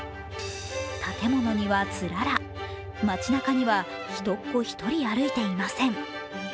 建物にはつらら、街なかにはひとっ子一人歩いていません。